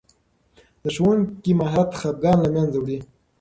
د ښوونکي مهارت خفګان له منځه وړي.